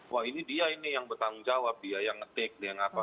wah ini dia ini yang bertanggung jawab dia yang ngetik dia yang apa